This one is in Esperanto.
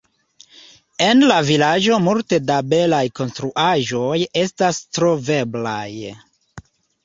En la vilaĝo multe da belaj konstruaĵoj estas troveblaj.